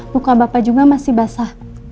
muka bapak juga masih basah